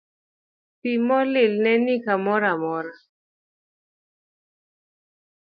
Pi molil ne ni kamoro amora.